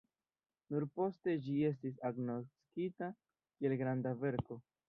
Nur poste ĝi estis agnoskita kiel granda verko.